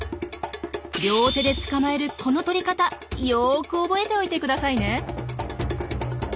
両手で捕まえるこのとり方よく覚えておいてくださいね。